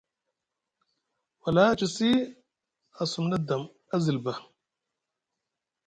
Wala a cosi a sumna dam, a zilba.